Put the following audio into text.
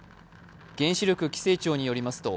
原子力規制庁によります